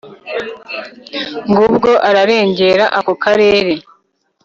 ngubwo ararengera ako karere